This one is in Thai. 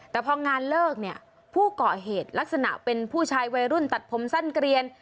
แต่พองานเลิกเนี่ยผู้ก่อเหตุลักษณะเป็นผู้ชายวัยรุ่นตัดผมสั้นเกลียน